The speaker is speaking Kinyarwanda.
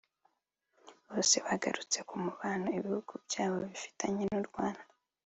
Bose bagarutse ku mubano ibihugu byabo bifitanye n’u Rwanda